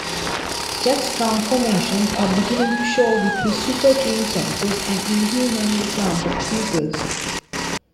Jack's transformations are beginning to show with his super-keen senses and inhumanly slanted pupils.